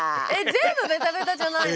全部ベタベタじゃないの？